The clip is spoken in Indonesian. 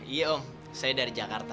iya om saya dari jakarta